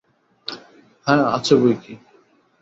হাঁ আছে বৈকি।